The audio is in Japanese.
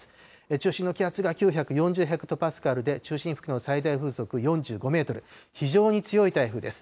中心の気圧が９４０ヘクトパスカルで、中心付近の最大風速４５メートル、非常に強い台風です。